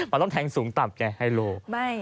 มันต้องแทงสูงต่ำไงไฮโล